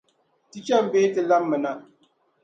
Ti cham bee ti labimna?